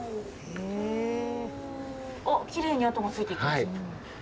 あっ、きれいにあとがついていきますね。